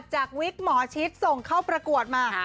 วิกหมอชิดส่งเข้าประกวดมา